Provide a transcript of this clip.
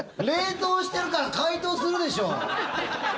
冷凍してるから解凍するでしょう！